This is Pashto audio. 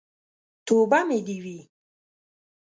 توبه مې دې وي.